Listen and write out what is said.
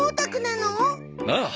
ああ。